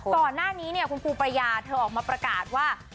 ก่อนหน้านี้คุณปูปรยาเธอเอามาประกาศว่า